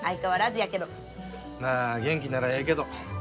まあ元気ならええけど。